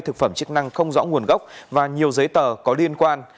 thực phẩm chức năng không rõ nguồn gốc và nhiều giấy tờ có liên quan